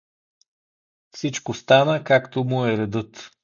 Всичко стана, както му е редът.